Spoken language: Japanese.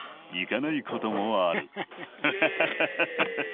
いかないこともある。